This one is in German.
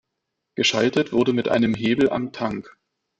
Geschaltet wurde mit einem Hebel am Tank.